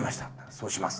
そうします。